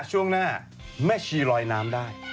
ช่วงหน้าแม่ชีลอยน้ำได้